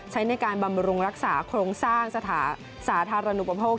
ใช้ในการบำรุงรักษาโครงสร้างสถานสาธารณูปโภค